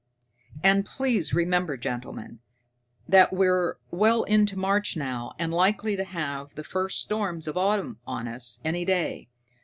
"And please remember, gentlemen, that we're well into March now, and likely to have the first storms of autumn on us any day.